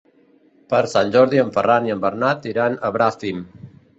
Per Sant Jordi en Ferran i en Bernat iran a Bràfim.